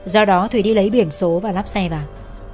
do đó thủy đi lấy biển số và lắp xe vào